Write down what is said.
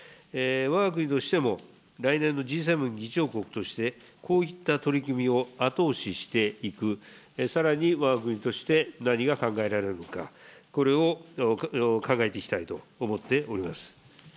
わが国としても来年のＧ７議長国として、こういった取り組みを後押ししていく、さらに、わが国として、何が考えられるのか、これを考えていきたいと思っております。